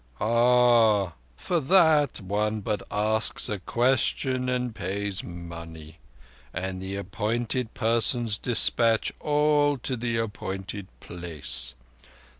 "Oh, for that one but asks a question and pays money, and the appointed persons despatch all to the appointed place.